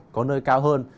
có nơi cao hơn